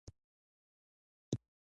آیا په هند کې افغاني توکي پلورل کیږي؟